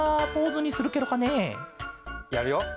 やるよ。